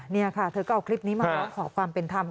นี่ค่ะเธอก็เอาคลิปนี้มาค่ะขอความเป็นทำ